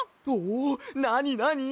なになに？